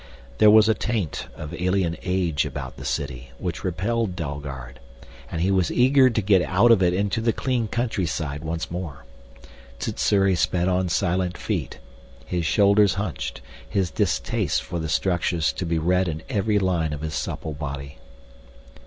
There was a taint of alien age about the city which repelled Dalgard, and he was eager to get out of it into the clean countryside once more. Sssuri sped on silent feet, his shoulders hunched, his distaste for the structures to be read in every line of his supple body.